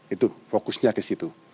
itu fokusnya ke situ